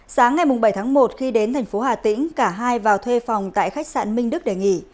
sáng ngày bảy tháng một khi đến thành phố hà tĩnh cả hai vào thuê phòng tại khách sạn minh đức để nghỉ